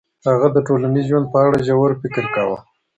هغه د ټولنیز ژوند په اړه ژور فکر کاوه.